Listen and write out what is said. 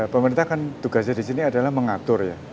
pemerintah kan tugasnya di sini adalah mengatur ya